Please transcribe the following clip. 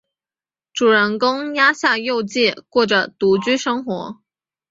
主人公鸭下佑介过着独居生活。